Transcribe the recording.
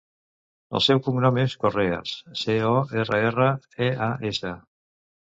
El seu cognom és Correas: ce, o, erra, erra, e, a, essa.